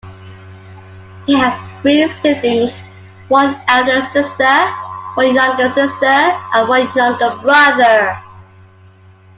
He has three siblings: one elder sister, one younger sister and one younger brother.